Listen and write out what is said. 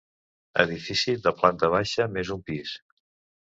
Edifici de planta baixa més un pis.